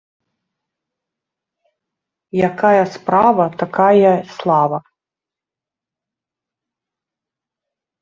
Якая справа, такая й слава